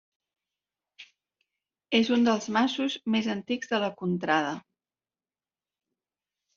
És un dels masos més antics de la contrada.